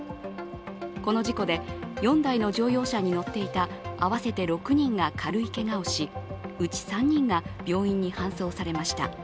この事故で４台の乗用車に乗っていた合わせて６人が軽いけがをしうち３人が病院に搬送されました。